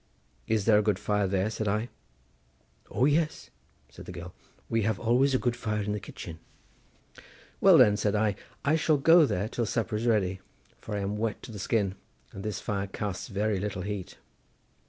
"Is there a good fire there?" said I. "O yes," said the girl, "we have always a good fire in the kitchen." "Well then," said I, "I shall go there till supper is ready, for I am wet to the skin, and this fire casts very little heat."